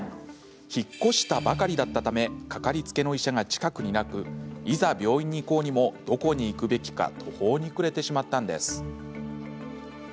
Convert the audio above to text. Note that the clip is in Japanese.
引っ越したばかりだったためかかりつけの医者が近くになくいざ病院に行こうにもどこに行くべきか途方に暮れてしまったんです。